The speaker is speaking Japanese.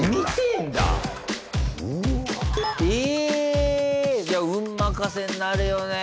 ええ！じゃあ運任せになるよね